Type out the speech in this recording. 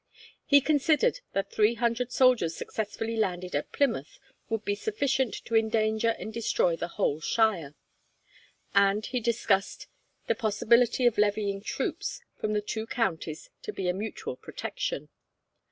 He considered that three hundred soldiers successfully landed at Plymouth would be 'sufficient to endanger and destroy the whole shire,' and he discussed the possibility of levying troops from the two counties to be a mutual protection.